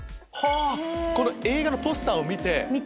この映画のポスターを見て！